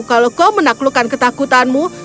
kalau kau menaklukkan ketakutanmu